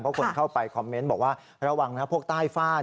เพราะคนเข้าไปคอมเมนต์บอกว่าระวังนะพวกใต้ฝ้า